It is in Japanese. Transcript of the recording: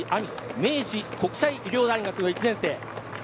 明治国際医療大学の１年生。